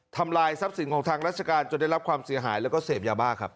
ทำลายทรัพย์สินของทางราชการจนได้รับความเสียหายแล้วก็เสพยาบ้าครับ